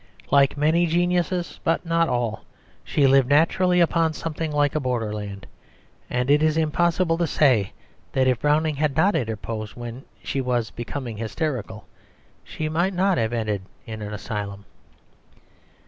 Like many geniuses, but not all, she lived naturally upon something like a borderland; and it is impossible to say that if Browning had not interposed when she was becoming hysterical she might not have ended in an asylum.